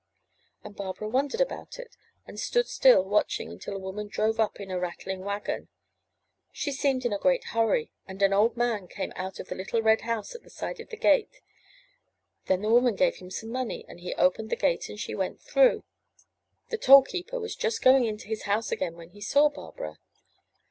And Barbara wondered about it and stood still watching until a woman drove up in a rattling wagon. She seemed in a great hurry, and an old man came out of the little red house at the side of the gate; then the woman gave him some money, and he opened the gate and she went through. The toll keeper was just going into his house again when he saw Barbara.